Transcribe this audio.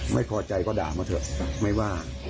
ไม่พอใจก็ด่ามาเถอะไม่ว่า